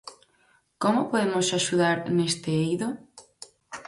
¿Como podemos axudar neste eido?